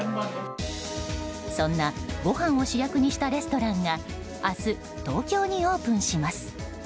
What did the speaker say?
そんなご飯を主役にしたレストランが明日、東京にオープンします。